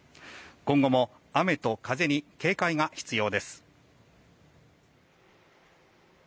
今後も雨と風に警戒が必要です。